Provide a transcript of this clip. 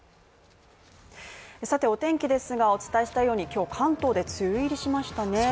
お天気ですがお伝えしたように今日関東で梅雨入りしましたね